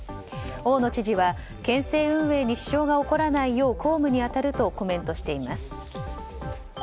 大野知事は県政運営に支障が起こらないよう公務に当たるとコメントしています。